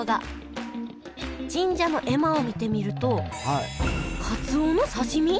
神社の絵馬を見てみるとかつおの刺身？